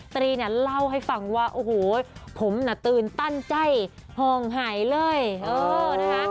ตรีเนี่ยเล่าให้ฟังว่าโอ้โหผมน่ะตื่นตันใจห่องหายเลยเออนะคะ